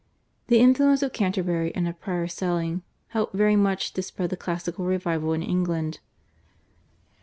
The influence of Canterbury and of Prior Selling helped very much to spread the classical revival in England.